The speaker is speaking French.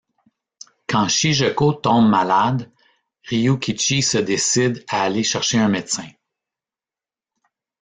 Quand Shigeko tombe malade, Ryukichi se décide à aller chercher un médecin.